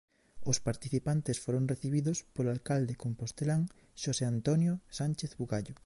Os participantes foron recibidos polo alcalde compostelán Xosé Antonio Sánchez Bugallo.